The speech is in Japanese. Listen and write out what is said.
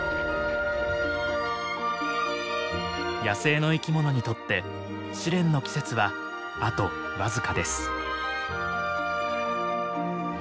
野生の生き物にとって試練の季節はあと僅かです。